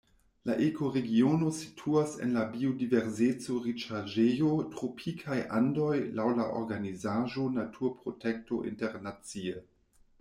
La ekoregiono situas en la biodiverseco-riĉaĵejo Tropikaj Andoj laŭ la organizaĵo Naturprotekto Internacie.